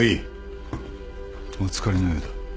お疲れのようだ。